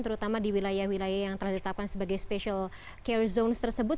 terutama di wilayah wilayah yang telah ditetapkan sebagai special care zone tersebut